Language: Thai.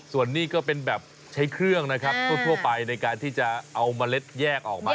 ส่วนนี้ก็เป็นแบบใช้เครื่องนะครับทั่วไปในการที่จะเอาเมล็ดแยกออกมา